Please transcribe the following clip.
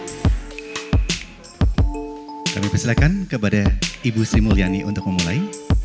hai kami persyakan kepada ibu simulyani untuk memulai